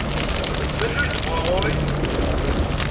D acu ay tebɣa ɣer-i?